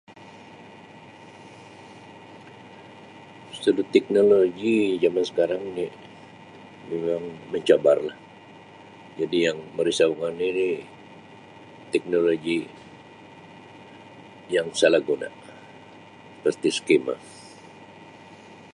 "Sebut teknologi jaman sekarang ni memang mencabar lah jadi yang merisaukan ni teknologi yang salah guna pastu ""scammer""."